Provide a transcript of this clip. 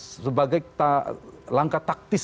sebagai langkah taktis